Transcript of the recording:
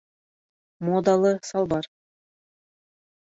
МОДАЛЫ САЛБАР